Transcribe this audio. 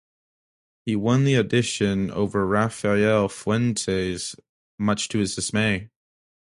He won the audition over Rafael Fuentes much to his dismay.